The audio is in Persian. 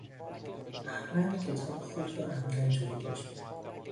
احمد کتاب خود را عمدا جا گذاشت.